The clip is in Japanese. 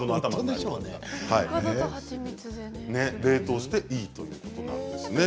冷凍していいということなんですね。